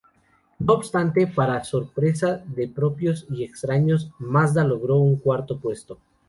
No obstante, para sorpresa de propios y extraños, Mazda logró un cuarto puesto.